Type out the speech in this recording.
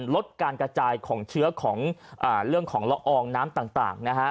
ลดการกระจายของเชื้อของเรื่องของละอองน้ำต่างนะฮะ